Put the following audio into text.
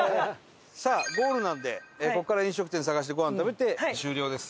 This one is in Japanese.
さあゴールなんでここから飲食店探してごはん食べて終了です。